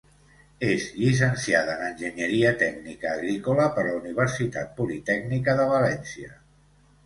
És llicenciada en Enginyeria Tècnica Agrícola per la Universitat Politècnica de València.